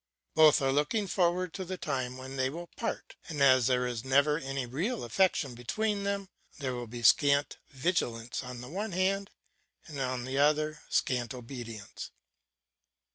Both are looking forward to the time when they will part, and as there is never any real affection between them, there will be scant vigilance on the one hand, and on the other scant obedience.